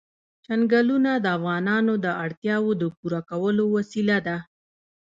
چنګلونه د افغانانو د اړتیاوو د پوره کولو وسیله ده.